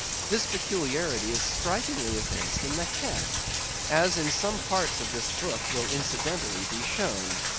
This peculiarity is strikingly evinced in the head, as in some part of this book will be incidentally shown.